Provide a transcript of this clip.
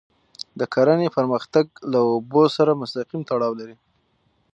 د کرهڼې پرمختګ له اوبو سره مستقیم تړاو لري.